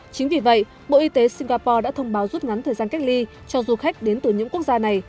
chính vì vậy bộ y tế singapore đã thông báo rút ngắn thời gian cách ly cho du khách đến từ những quốc gia này